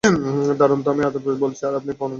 দারুন তো, আমি আদাব বলছি আর আপনি প্রণাম বলছেন।